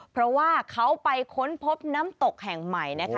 เพราะว่าเขาไปค้นพบน้ำตกแห่งใหม่นะคะ